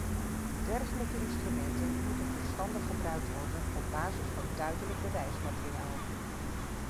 Dergelijke instrumenten moeten verstandig gebruikt worden op basis van duidelijk bewijsmateriaal.